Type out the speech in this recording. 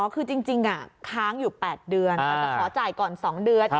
คือจริงค้างอยู่๘เดือนแต่จะขอจ่ายก่อน๒เดือน